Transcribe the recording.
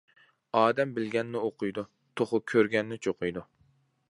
ئادەم بىلگەننى ئوقۇيدۇ، توخۇ كۆرگەننى چوقۇيدۇ.